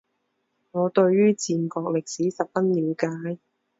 我对于战国历史十分了解